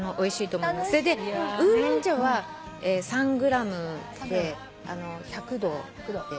それでウーロン茶は３ｇで１００度で。